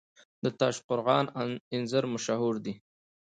د تاشقرغان انځر مشهور دي